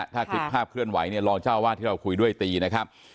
แผ่นแล้วโดนภาพเคลื่อนไหวนี่รองเจ้าวาดที่เราคุยด้วยตีนะครับ